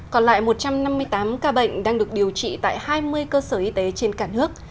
còn lại một trăm năm mươi tám ca bệnh đang được điều trị tại hai mươi cơ sở y tế trên cả nước